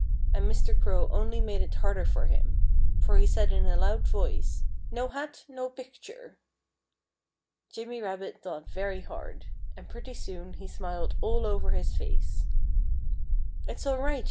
And Mr. Crow only made it harder for him. For he said in a loud voice, "No hat, no picture!" Jimmy Rabbit thought very hard. And pretty soon he smiled all over his face. "It's all right!"